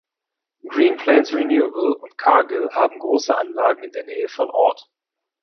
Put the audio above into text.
Green Plains Renewable und Cargill haben große Anlagen in der Nähe von Ord.